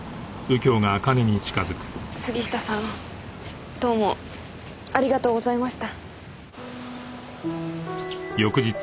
杉下さんどうもありがとうございました。